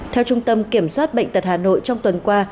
theo trung tâm kiểm soát bệnh tật hà nội trong tuần qua